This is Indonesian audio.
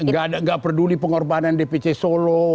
nggak peduli pengorbanan dpc solo